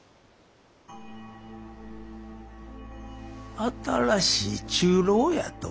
新しい中臈やと。